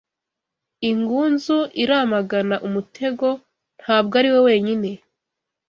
Ingunzu iramagana umutego, ntabwo ari we wenyine